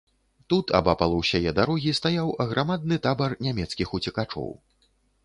Тут, абапал усяе дарогі, стаяў аграмадны табар нямецкіх уцекачоў.